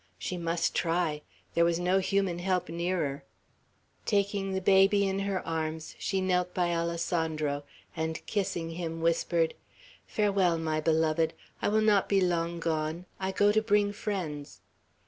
She must try. There was no human help nearer. Taking the baby in her arms, she knelt by Alessandro, and kissing him, whispered, "Farewell, my beloved. I will not be long gone. I go to bring friends."